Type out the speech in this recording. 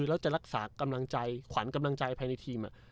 แล้วจะรักษากำลังใจขวัญกำลังใจภายในทีม